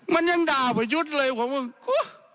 มันยังด่าไปยุทธ์เลยผมว่าว๊ะ